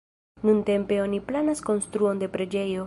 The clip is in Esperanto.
Nuntempe oni planas konstruon de preĝejo.